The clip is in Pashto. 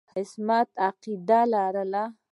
عصمت عقیده لري.